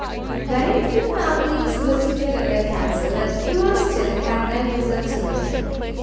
Very few families visited at the castle, and fewer still had their visits returned.